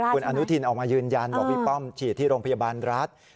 คุณอนุทินออกมายืนยันบอกพี่ป้อมฉีดที่โรงพยาบาลรัฐ